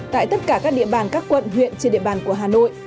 tại tất cả các địa bàn các quận huyện trên địa bàn của hà nội